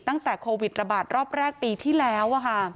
ตั้งแต่โควิดระบาดรอบแรกปีที่แล้ว